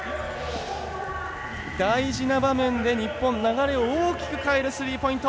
大事な場面で日本、流れを大きくかえるスリーポイント。